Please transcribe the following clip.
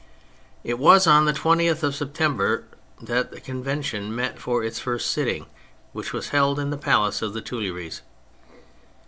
It was on the 20th of September that the Convention met for its first sitting, which was held in the palace of the Tuileries.